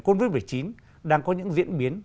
covid một mươi chín đang có những diễn biến